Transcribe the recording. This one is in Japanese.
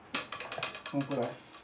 こんくらい。